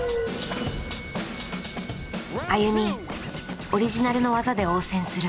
ＡＹＵＭＩオリジナルの技で応戦する。